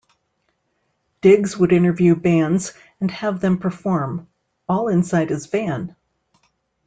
Digs would interview bands and have them perform - all inside his van.